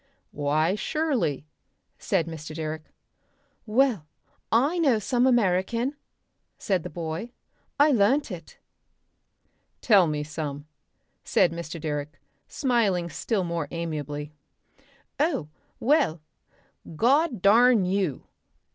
"Why surely," said Mr. Direck. "Well, I know some American," said the boy. "I learnt it." "Tell me some," said Mr. Direck, smiling still more amiably. "Oh! Well God darn you!